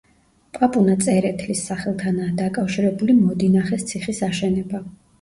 პაპუნა წერეთლის სახელთანაა დაკავშირებული მოდინახეს ციხის აშენება.